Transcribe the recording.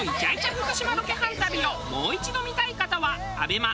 福島ロケハン旅をもう一度見たい方はＡＢＥＭＡＴＶｅｒで。